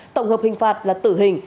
tổng hợp hình phạt là tử hình